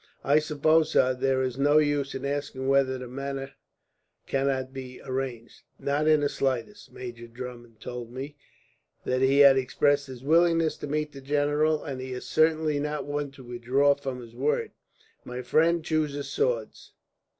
I suppose, sir, there is no use in asking whether the matter cannot be arranged." "Not in the slightest. Major Drummond told me that he had expressed his willingness to meet the general, and he is certainly not one to withdraw from his word. My friend chooses swords.